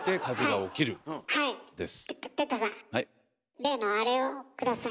例のアレを下さい。